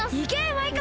マイカ！